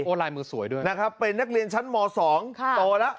ลายมือสวยด้วยนะครับเป็นนักเรียนชั้นม๒โตแล้ว